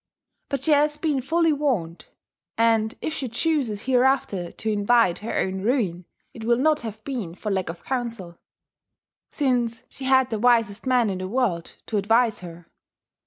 But she has been fully warned; and if she chooses hereafter to invite her own ruin, it will not have been for lack of counsel, since she had the wisest man in the world to advise her.